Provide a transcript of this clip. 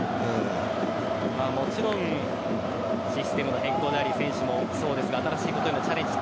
もちろんシステムの変更であり選手もそうですが新しいことへのチャレンジ。